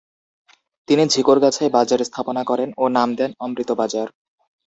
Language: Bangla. তিনি ঝিকরগাছায় বাজার স্থাপনা করেন ও নাম দেন অমৃত বাজার।